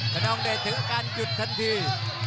ขนองเดชถึงอาการหยุดทันที